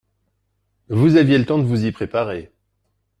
Vous aviez le temps de vous y préparer.